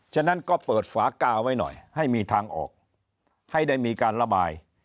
ฉะนั้นก็เปิดฝากาไว้หน่อยให้มีทางออกให้ได้มีการระบาย